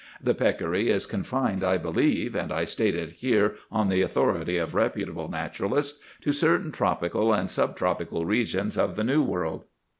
The peccary is confined, I believe, and I state it here on the authority of reputable naturalists, to certain tropical and sub tropical regions of the New World.